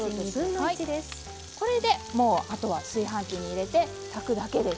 これでもうあとは炊飯器に入れて炊くだけです。